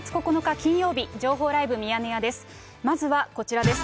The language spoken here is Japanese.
金曜日、情報ライブミヤネ屋です。